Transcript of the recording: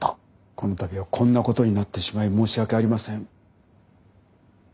この度はこんなことになってしまい申し訳ありません。